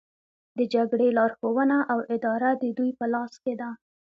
د جګړې لارښوونه او اداره د دوی په لاس کې ده